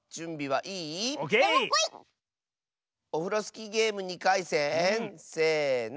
オフロスキーゲーム２かいせんせの。